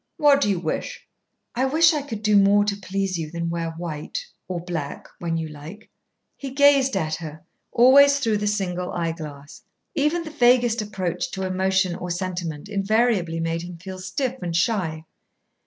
"What do you wish?" "I wish I could do more to please you than wear white or black when you like." He gazed at her, always through the single eyeglass. Even the vaguest approach to emotion or sentiment invariably made him feel stiff and shy.